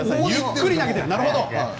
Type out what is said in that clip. ゆっくり投げている。